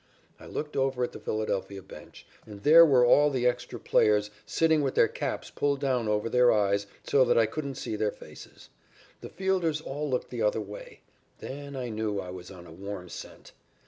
"I looked over at the Philadelphia bench, and there were all the extra players sitting with their caps pulled down over their eyes, so that I couldn't see their faces. The fielders all looked the other way. Then I knew I was on a warm scent.